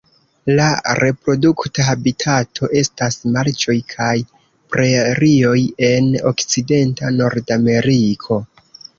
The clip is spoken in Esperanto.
La reprodukta habitato estas marĉoj kaj prerioj en okcidenta Nordameriko.